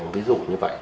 ví dụ như vậy